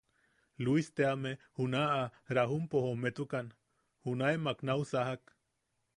Luis teame, junaʼa Rajumpo jometukan, junaemak nau sajak.